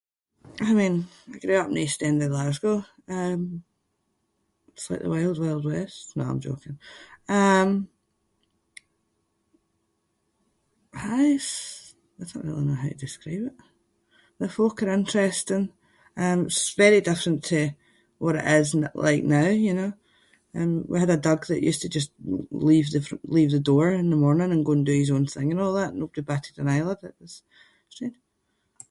I mean, I grew up in the east end of Glasgow. Um, it’s like the wild wild west- no, I’m joking. Um, I s- I don’t really know how to describe it. The folk are interesting. Um it’s very different to what it is n- like now, you know. Um we had a dog that used to just l- leave the fr- leave the door in the morning and go and do his own thing and all that and nobody batted an eyelid. It was strange.